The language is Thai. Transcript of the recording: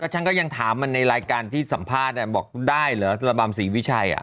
ฉันก็ยังถามมันในรายการที่สัมภาษณ์บอกได้เหรอระบำศรีวิชัย